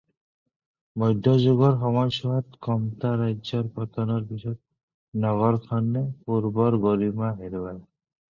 মধ্যযুগৰ সময়ছোৱাত কমতা ৰাজ্যৰ পতনৰ পিছত নগৰখনে পূৰ্বৰ গৰিমা হেৰুৱায়।